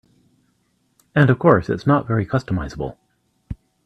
And of course, it's not very customizable.